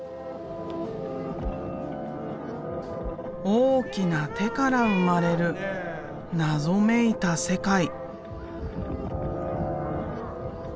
大きな手から生まれる謎めいた世界。